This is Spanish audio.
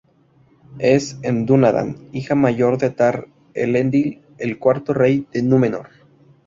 Es una dúnadan, hija mayor de Tar-Elendil, el cuarto rey de Númenor.